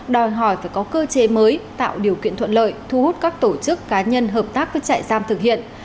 đòi hỏi phải có cơ chế mới tạo điều kiện thuận lợi thu hút các tổ chức cá nhân hợp tác với trại giam thực hiện